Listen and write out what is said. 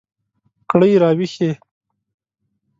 کړئ را ویښې